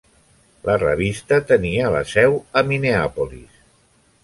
La revista tenia la seu a Minneapolis.